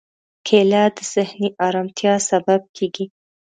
کېله د ذهني ارامتیا سبب کېږي.